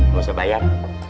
gak usah bayar